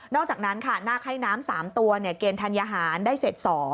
อกจากนั้นค่ะนาคให้น้ำ๓ตัวเกณฑ์ธัญหารได้เสร็จ๒